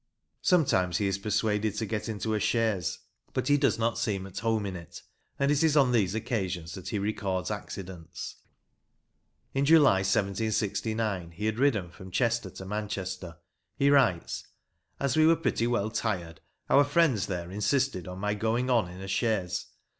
Sometimes he is persuaded to get into a chaise, but he does not seem at home in it, and it is on these occasions that he records accidents. In July, 1769, he had ridden from Chester to Manchester. He writes : As we were pretty well tired, our friends there insisted on my going on in a chaise.